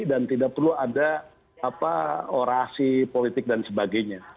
dan tidak perlu ada orasi politik dan sebagainya